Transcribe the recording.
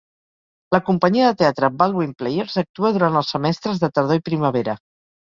La companyia de teatre Baldwin Players actua durant els semestres de tardor i primavera.